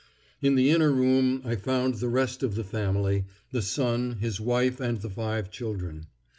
In the inner room I found the rest of the family—the son, his wife and the five children.